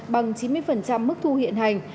bằng chín mươi mức thu hiện hành